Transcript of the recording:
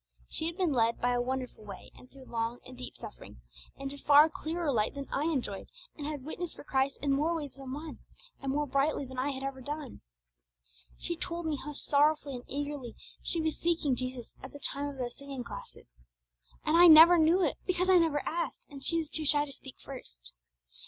She had been led by a wonderful way, and through long and deep suffering, into far clearer light than I enjoyed, and had witnessed for Christ in more ways than one, and far more brightly than I had ever done. She told me how sorrowfully and eagerly she was seeking Jesus at the time of those singing classes. And I never knew it, because I never asked, and she was too shy to speak first!